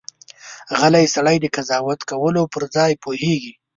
غلی سړی، د قضاوت کولو پر ځای پوهېږي.